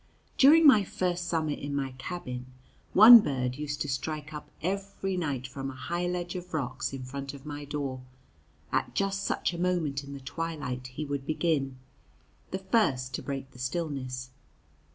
During my first summer in my cabin one bird used to strike up every night from a high ledge of rocks in front of my door. At just such a moment in the twilight he would begin, the first to break the stillness.